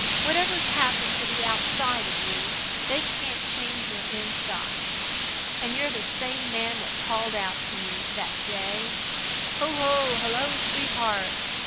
Whatever's happened to the outside of you, they can't change your insides. And you're the same man that called out to me, that day, "Hoo hoo! Hello, sweetheart!"